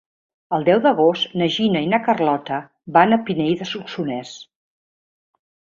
El deu d'agost na Gina i na Carlota van a Pinell de Solsonès.